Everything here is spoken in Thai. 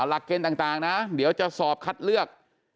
หลักเกณฑ์ต่างนะเดี๋ยวจะสอบคัดเลือก